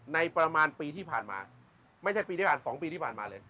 ประมาณปีที่ผ่านมาไม่ใช่ปีที่ผ่านมา๒ปีที่ผ่านมาเลย